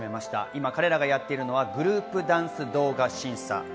今、彼らがやっているのはグループダンス動画審査。